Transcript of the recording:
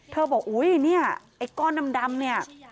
เธอบอกฮุยไอ้ก้อนดำเนี่ย